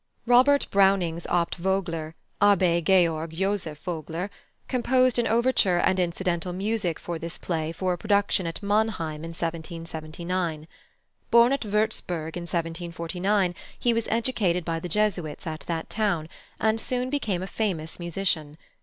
Robert Browning's Abt Vogler (+Abbé Georg Joseph Vogler+) composed an overture and incidental music for this play for a production at Mannheim in 1779. Born at Würzburg in 1749, he was educated by the Jesuits at that town, and soon became a famous musician.